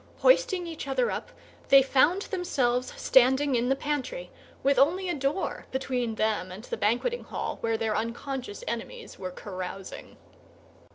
Hoisting each other up, they found themselves standing in the pantry, with only a door between them and the banqueting hall, where their unconscious enemies were carousing.